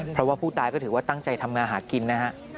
เพราะว่าผู้ตายก็ถือว่าตั้งใจทำงานหากินนะฮะ